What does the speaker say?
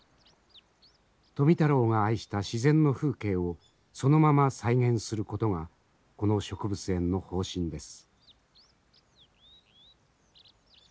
富太郎が愛した自然の風景をそのまま再現することがこの植物園の方針です。